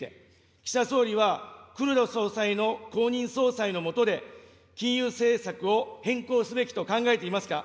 岸田総理は黒田総裁の後任総裁の下で、金融政策を変更すべきと考えていますか。